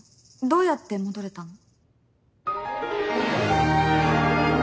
どうやって戻れたの？